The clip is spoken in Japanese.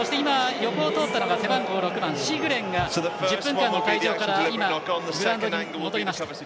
横を通った背番号４番のシグレンが１０分間の退場から今グラウンドに戻りました。